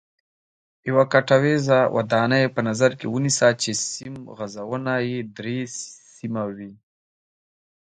یوه کوټیزه ودانۍ په نظر کې ونیسئ چې سیم غځونه یې درې سیمه وي.